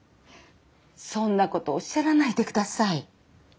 そんなことおっしゃらないでください。